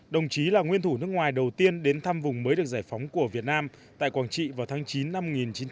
đồng chí là nguyên thủ nước ngoài đầu tiên đến thăm vùng mới được giải phóng của việt nam tại quảng trị vào tháng chín năm một nghìn chín trăm bảy mươi